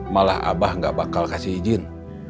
malah abah gak bakal kasih izin